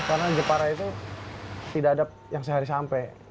karena jepara itu tidak ada yang sehari sampai